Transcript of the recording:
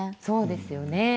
そうですよね。